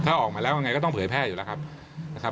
ถ้าออกมาแล้วยังไงก็ต้องเผยแพร่อยู่แล้วครับนะครับ